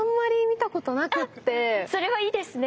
それはいいですね。